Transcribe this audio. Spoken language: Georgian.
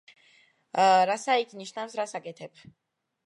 რასა იქ? ნიშნავს რას აკეთებ?